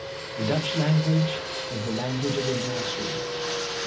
The Dutch language was the language of his nursery.